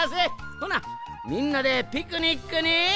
ほなみんなでピクニックに。